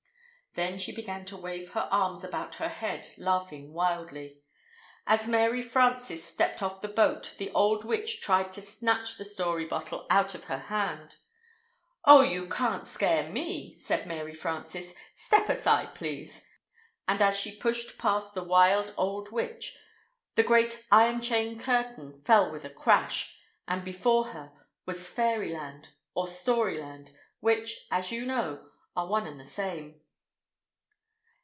Then she began to wave her arms about her head, laughing wildly. As Mary Frances stepped off the boat the old witch tried to snatch the story bottle out of her hand. "Oh, you can't scare me," said Mary Frances. "Step aside, please," and as she pushed past the wild old witch, the great iron chain curtain fell with a crash, and before her was Fairyland, or Storyland, which, as you know, are one and the same.